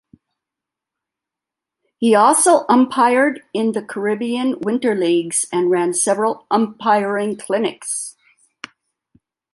He also umpired in the Caribbean winter leagues, and ran several umpiring clinics.